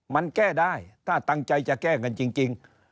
มันแก้ได้ถ้าตั้งใจจะแก้กันจริง